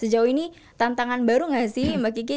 sejauh ini tantangan baru nggak sih mbak kiki